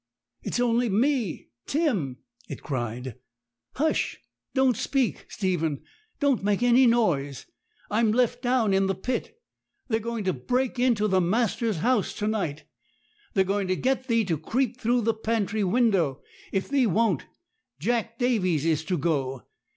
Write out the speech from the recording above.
'It's only me Tim!' it cried. 'Hush! don't speak, Stephen; don't make any noise. I'm left down in the pit. They're going to break into the master's house to night. They're going to get thee to creep through the pantry window. If thee won't, Jack Davies is to go.